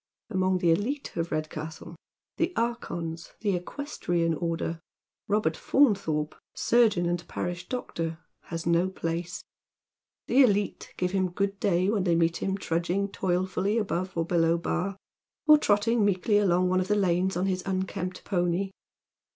Among the elite of Redcastle — the archons — the equestrian order — Robert Faunthorpe, surgeon and parish doctor, has no place. The elite give him good day when tbey meet him trudg ing toilfully above or below Bar, or trotting meekly along one of the lanes on his unkempt pony.